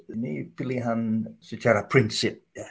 ini pilihan secara prinsip ya